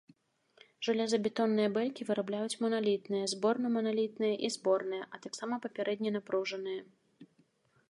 Жалезабетонныя бэлькі вырабляюць маналітныя, зборнаманалітныя і зборныя, а таксама папярэдне напружаныя.